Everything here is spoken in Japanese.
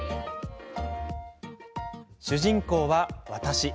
主人公は、私。